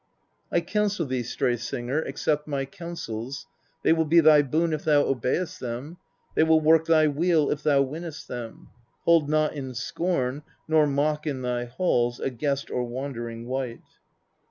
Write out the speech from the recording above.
131. I counsel thee, Stray Singer, accept my counsels, they will be thy boon if thou obey'st them, they will work thy weal if thou win'st them : hold not in scorn, nor mock in thy halls a guest or wandering wight.